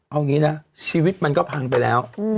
เอางี้นะชีวิตมันก็พังไปแล้ว